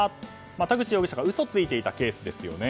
田口容疑者が嘘をついていたケースですよね。